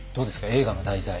映画の題材。